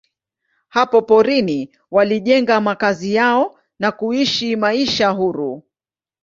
Hapa porini walijenga makazi yao na kuishi maisha huru.